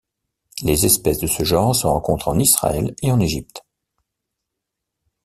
Les espèces de ce genre se rencontrent en Israël et en Égypte.